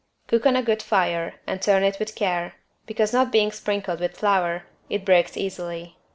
Cook on a good fire and turn it with care, because, not being sprinkled with flour, it breaks easily.